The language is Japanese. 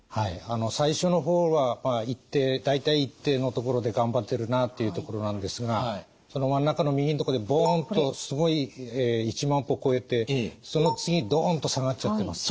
最初の方は大体一定のところで頑張ってるなというところなんですがその真ん中の右のところでボンとすごい１万歩超えてその次ドンと下がっちゃってます。